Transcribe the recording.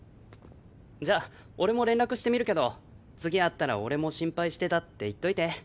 じゃ俺も連絡してみるけど次会ったら俺も心配してたって言っといて。